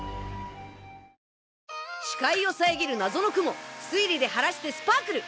視界を遮る謎の雲推理で晴らしてスパークル！